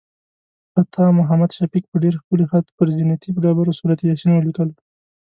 خطاط محمد شفیق په ډېر ښکلي خط پر زینتي ډبرو سورت یاسین ولیکلو.